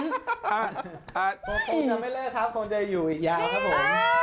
คงจะไม่เลิกครับคงจะอยู่อีกยาวครับผม